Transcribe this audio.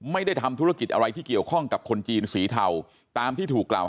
ไม่ได้ทำธุรกิจอะไรที่เกี่ยวข้องกับคนจีนสีเทาตามที่ถูกกล่าว